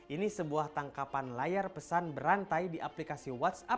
ini sebuah tangkapan layar pesan berantai di aplikasi whatsapp